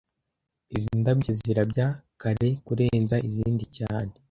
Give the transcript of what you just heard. Izi ndabyo zirabya kare kurenza izindi cyane